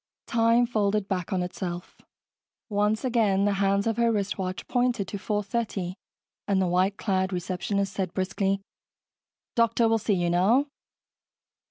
Time folded back on itself. Once again, the hands of her wristwatch pointed to 4:30 and the white clad receptionist said briskly, "Doctor will see you now."